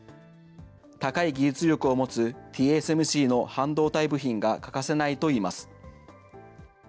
高い技術力を持つＴＳＭＣの半導体部品が欠かせないといいます。